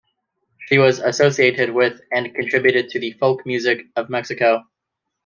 She was associated with and contributed to the folk music of Mexico.